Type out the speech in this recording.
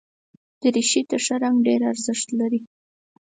دریشي ته ښه رنګ ډېر ارزښت لري.